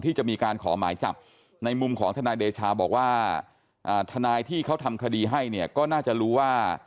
ที่จะมีการขอหมายจับในมุมของทนายเดชาบอกว่าทนายที่เขาทำคดีให้เนี่ยก็น่าจะรู้ว่า